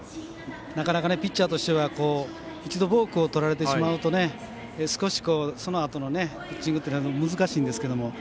なかなかピッチャーとしては一度、ボークをとられてしまうと少しそのあとのピッチングは難しいんですけど。